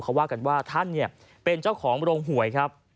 เขาว่ากันว่าท่านเป็นเจ้าของโรงหวยครับ